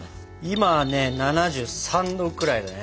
今ね７３℃くらいだね。